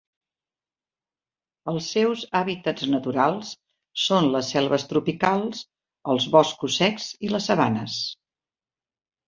Els seus hàbitats naturals són les selves tropicals, els boscos secs i les sabanes.